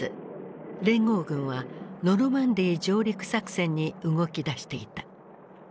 連合軍はノルマンディー上陸作戦に動きだしていた。